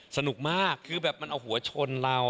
สนุกมากคือแบบมันเอาหัวชนเรา